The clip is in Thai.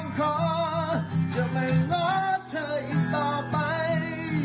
ก้าวให้ไกลคุณเดิม